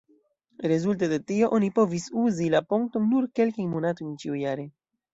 Rezulte de tio, oni povis uzi la ponton nur kelkajn monatojn ĉiujare.